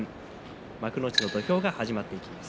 幕内の土俵が始まっていきます。